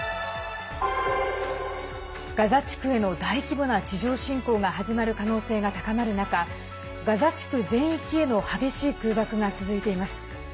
ガザ地区への大規模な地上侵攻が始まる可能性が高まる中ガザ地区全域への激しい空爆が続いています。